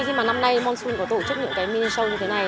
nhưng mà năm nay monsoon có tổ chức những mini show như thế này